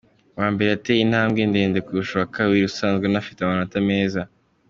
Uwa mbere yateye intambwe ndende kurusha uwa kabiri usanzwe anafite amanota meza.